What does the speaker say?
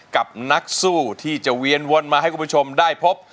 กับนักสู้ที่จะเวียนวนมาให้คุณผู้ชมได้พบ